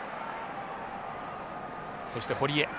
そして堀江。